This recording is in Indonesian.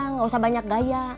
gak usah banyak gaya